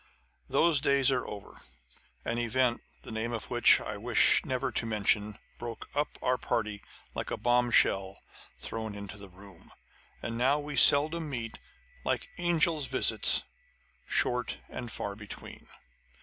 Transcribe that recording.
Those days are over ! An event, the name of which I wish never to mention, broke up our party, like a bomb shell thrown into the room : and now we seldom meet Like angels' visits, short and far between.